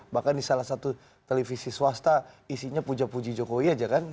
bahkan di salah satu televisi swasta isinya puja puji jokowi aja kan